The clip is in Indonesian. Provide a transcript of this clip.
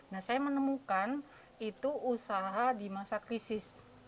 nah saya menemukan itu usaha di masa krisis